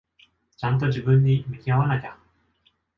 ちゃんと自分に向き合わなきゃ。